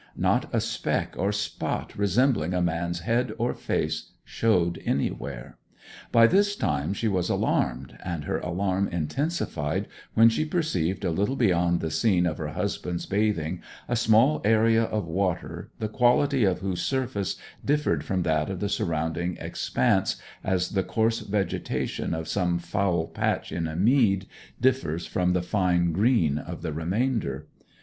Not a speck or spot resembling a man's head or face showed anywhere. By this time she was alarmed, and her alarm intensified when she perceived a little beyond the scene of her husband's bathing a small area of water, the quality of whose surface differed from that of the surrounding expanse as the coarse vegetation of some foul patch in a mead differs from the fine green of the remainder.